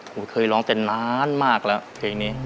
ผมเคยร้องแต่นานมากแล้วเพลงนี้